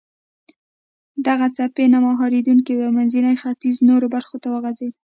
دغه څپې نه مهارېدونکې وې او منځني ختیځ نورو برخو ته وغځېدې.